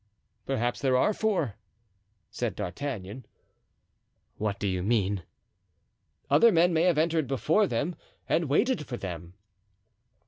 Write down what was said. "Perhaps there are four," said D'Artagnan. "What do you mean?" "Other men may have entered before them and waited for them."